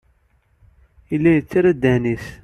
Yella yettarra ddehn-nnes.